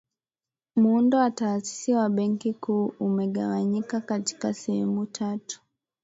muundo wa taasisi wa benki kuu umegawanyika katika sehemu tatu